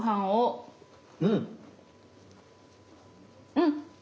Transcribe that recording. うん！